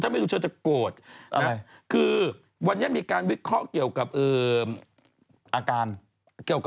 ทำไมเดี๋ยวก็เปิดอันนี้ขึ้นไปอีก